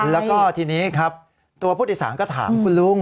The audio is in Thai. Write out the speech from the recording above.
แล้วก็ทีนี้ครับตัวผู้โดยสารก็ถามคุณลุง